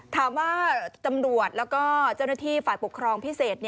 ถามว่าจำนวนและเจ้าหน้าที่ฝาดปกครองพิเศษ